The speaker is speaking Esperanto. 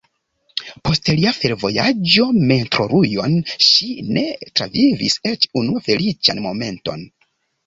Post lia forvojaĝo Mentorujon ŝi ne travivis eĉ unu feliĉan momenton.